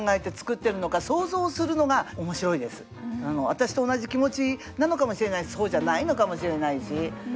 私と同じ気持ちなのかもしれないしそうじゃないのかもしれないし。